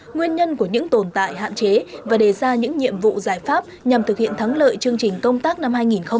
nguyên nhân của những tồn tại hạn chế và đề ra những nhiệm vụ giải pháp nhằm thực hiện thắng lợi chương trình công tác năm hai nghìn hai mươi